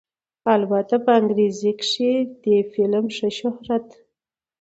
البته په انګرېزۍ کښې دې فلم ښۀ شهرت